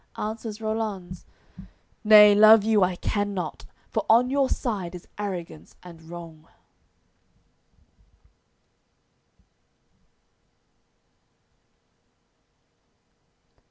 Answers Rollanz: "Nay, love you I can not, For on your side is arrogance and wrong."